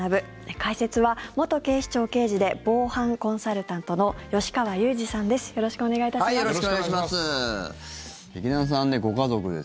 解説は、元警視庁刑事で防犯コンサルタントの吉川祐二さんです。